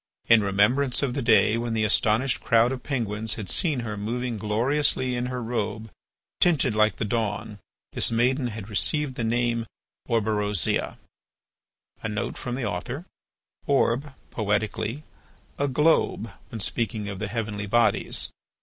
In remembrance of the day when the astonished crowd of Penguins had seen her moving gloriously in her robe tinted like the dawn, this maiden had received the name of Orberosia. "Orb, poetically, a globe when speaking of the heavenly bodies.